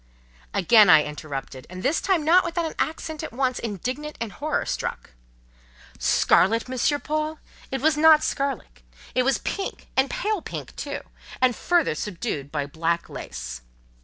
Again I interrupted, and this time not without an accent at once indignant and horror struck. "Scarlet, Monsieur Paul? It was not scarlet! It was pink, and pale pink too, and further subdued by black lace."